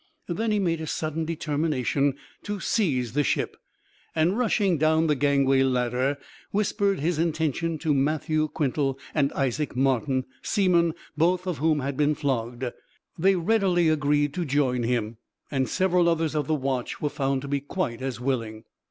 Then he made a sudden determination to seize the ship, and rushing down the gangway ladder, whispered his intention to Matthew Quintal and Isaac Martin, seamen, both of whom had been flogged. They readily agreed to join him, and several others of the watch were found to be quite as willing.